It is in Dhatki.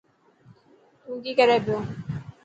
تون ڪي ڪري پيو.